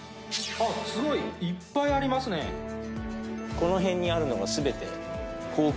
この辺にあるのが。